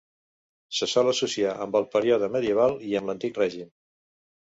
Se sol associar amb el període medieval i amb l'Antic Règim.